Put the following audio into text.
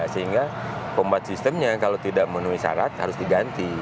sehingga kompat sistemnya kalau tidak menuhi syarat harus diganti